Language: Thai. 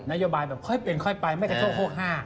นโยบายแบบค่อยเป็นค่อยไปไม่ได้โค้งห้า